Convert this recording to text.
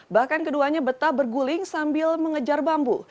bahkan keduanya betah berguling sambil mengejar bambu